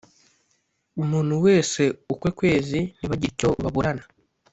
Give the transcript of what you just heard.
umuntu wese ukwe kwezi ntibagire icyo bababurana